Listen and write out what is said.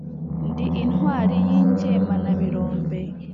ndi intwari y’ingemanabirombe